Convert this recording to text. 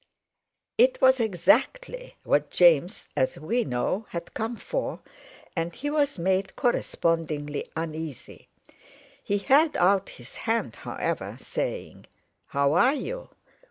It was exactly what James, as we know, had come for, and he was made correspondingly uneasy. He held out his hand, however, saying: "How are you?"